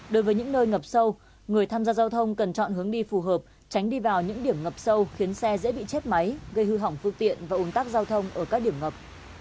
đối với những nơi ngập sâu người tham gia giao thông cần chọn hướng đi phù hợp tránh đi vào những điểm ngập sâu khiến xe dễ bị chết máy gây hư hỏng phương tiện và uống tắc giao thông ở các điểm ngập